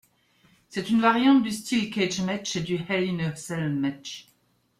C'est une variante du Steel Cage match et du Hell in a Cell match.